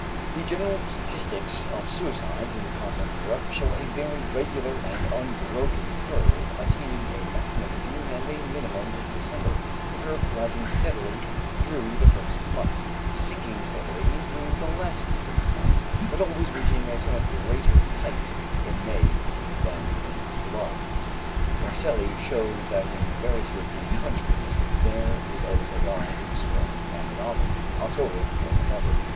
The general statistics of suicides in Continental Europe show a very regular and unbroken curve, attaining a maximum in June and a minimum in December, the curve rising steadily through the first six months, sinking steadily through the last six months, but always reaching a somewhat greater height in May than in July. Morselli shows that in various European countries there is always a rise in spring and in autumn (October or November).